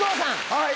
はい！